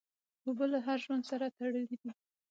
اوبه له هر ژوند سره تړلي دي.